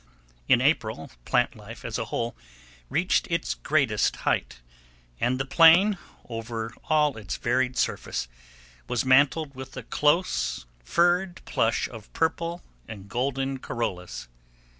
In April, plant life, as a whole, reached its greatest height, and the plain, over all its varied surface, was mantled with a close, furred plush of purple and golden corollas.